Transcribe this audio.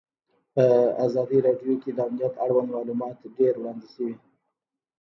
په ازادي راډیو کې د امنیت اړوند معلومات ډېر وړاندې شوي.